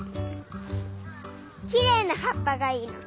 きれいなはっぱがいいの。